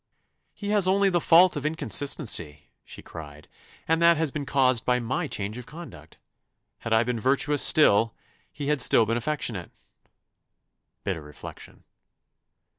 "He has only the fault of inconstancy," she cried; "and that has been caused by my change of conduct. Had I been virtuous still, he had still been affectionate." Bitter reflection!